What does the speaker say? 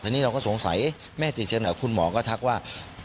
เราก็สงสัยแม่ติดเชิญแล้วคุณหมอก็ทักว่า